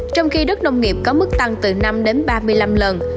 trong khi đất nông nghiệp có mức tăng từ năm đến ba mươi năm lần